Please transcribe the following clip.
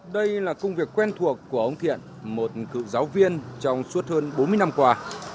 đây là công việc quen thuộc của ông thiện một cựu giáo viên trong suốt hơn bốn mươi năm qua